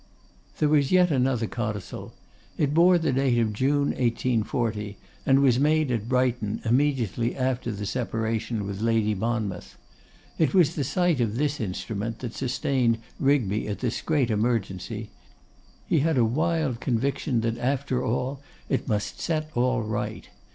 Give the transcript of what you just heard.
There was yet another codicil. It bore the date of June 1840, and was made at Brighton, immediately after the separation with Lady Monmouth. It was the sight of this instrument that sustained Rigby at this great emergency. He had a wild conviction that, after all, it must set all right.